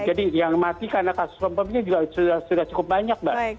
jadi yang mati karena kasus confirmnya sudah cukup banyak